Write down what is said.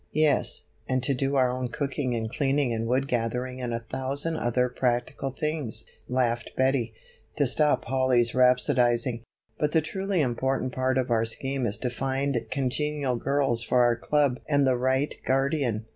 "Yes, and to do our own cooking and cleaning and wood gathering and a thousand other practical things," laughed Betty, to stop Polly's rhapsodizing. "But the truly important part of our scheme is to find congenial girls for our club and the right guardian."